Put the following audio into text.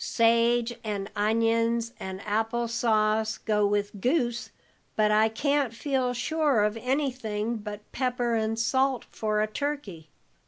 "Sage and onions and apple sauce go with goose, but I can't feel sure of anything but pepper and salt for a turkey."